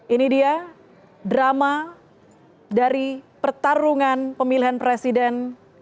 ini dia drama dari pertarungan pemilihan presiden